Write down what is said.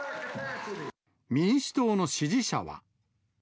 民主党の支持者は。